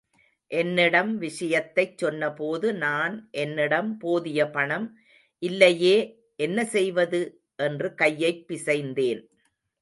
என்னிடம் விஷயத்தைச் சொன்னபோது, நான், என்னிடம் போதியபணம் இல்லையே, என்ன செய்வது? என்று கையைப் பிசைந்தேன்.